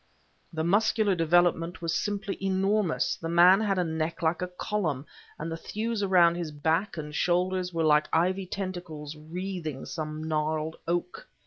The muscular development was simply enormous; the man had a neck like a column, and the thews around his back and shoulders were like ivy tentacles wreathing some gnarled oak.